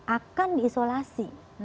akan di isolasi